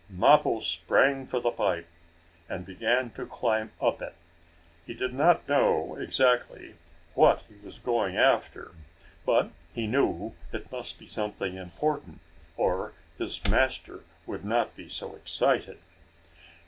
Mappo sprang for the pipe, and began to climb up it. He did not know exactly what he was going after, but he knew it must be something important, or his master would not be so excited.